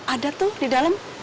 ada tuh di dalam